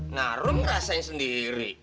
nah rum rasain sendiri